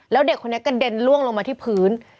แล้วเด็กคนนี้กระเด็นล่วงลงมาที่พื้น